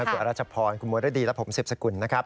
คุณอรัชพรคุณมรดีและผมสืบสกุลนะครับ